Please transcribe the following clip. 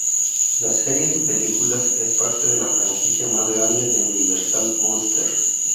La serie de películas es parte de la franquicia más grande de Universal Monsters.